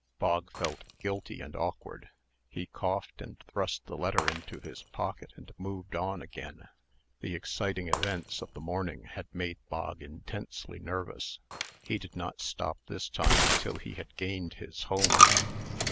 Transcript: Bog felt guilty and awkward. He coughed, and thrust the letter into his pocket, and moved on again. The exciting events of the morning had made Bog intensely nervous. He did not stop this time until he had gained his home.